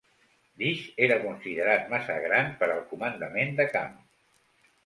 Dix era considerat massa gran per al comandament de camp.